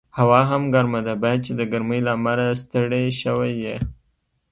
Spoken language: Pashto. هوا هم ګرمه ده، باید چې د ګرمۍ له امله ستړی شوي یې.